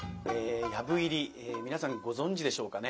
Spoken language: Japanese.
藪入り皆さんご存じでしょうかね。